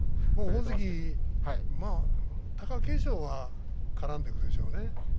大関、貴景勝は絡んでくるでしょうね。